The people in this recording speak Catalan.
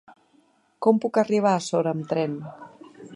Com puc arribar a Sora amb tren?